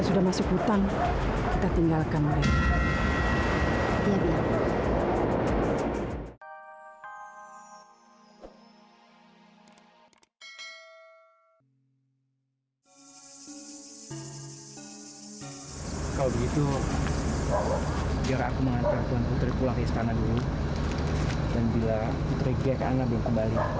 sampai jumpa di video selanjutnya